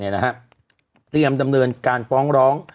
เตรียมดำเนินการฟ้องร้อง